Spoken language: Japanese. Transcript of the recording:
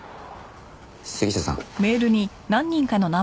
杉下さん。